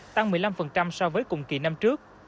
tăng một mươi năm so với cùng kỳ năm trước